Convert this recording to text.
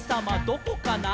どこかな？」